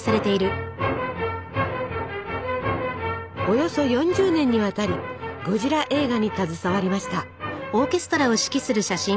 およそ４０年にわたりゴジラ映画に携わりました。